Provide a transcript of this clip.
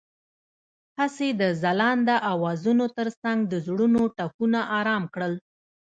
هغې د ځلانده اوازونو ترڅنګ د زړونو ټپونه آرام کړل.